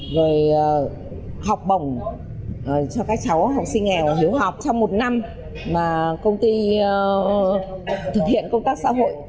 rồi học bổng cho các cháu học sinh nghèo hiếu học trong một năm mà công ty thực hiện công tác xã hội